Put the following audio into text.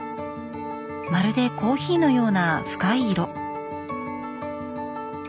まるでコーヒーのような深い色。